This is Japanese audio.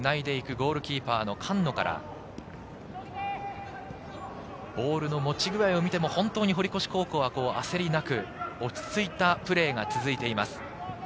ゴールキーパー菅野からボールの持ち具合を見ても堀越高校は焦りなく、落ち着いたプレーが続いています。